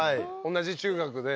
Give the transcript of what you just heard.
同じ中学で。